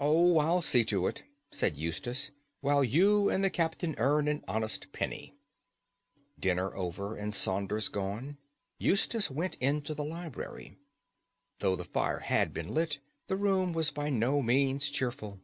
"Oh, I'll see to it," said Eustace, "while you and the Captain earn an honest penny." Dinner over and Saunders gone, Eustace went into the library. Though the fire had been lit the room was by no means cheerful.